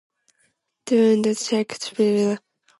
Stunned, Shakespeare asks, Who's Ken Branagh?